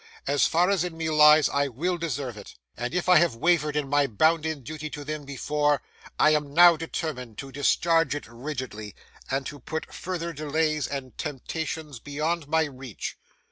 As far as in me lies, I will deserve it, and if I have wavered in my bounden duty to them before, I am now determined to discharge it rigidly, and to put further delays and temptations beyond my reach.